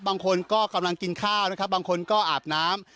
บางคนก็กำลังกินข้าวนะครับบางคนก็อาบน้ำ